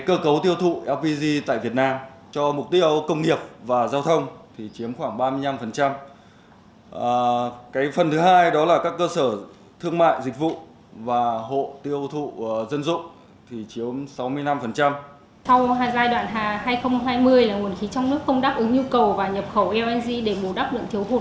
sau giai đoạn hai nghìn hai mươi nguồn khí trong nước không đáp ứng nhu cầu và nhập khẩu lng để bù đắp lượng thiếu hụt